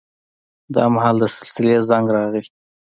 دا مهال د سلسلې زنګ راغی.